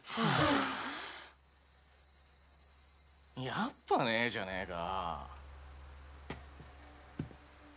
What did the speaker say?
やっぱねぇじゃねか。